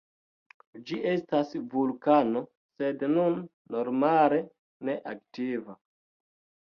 Ĝi estas vulkano, sed nun normale ne aktiva.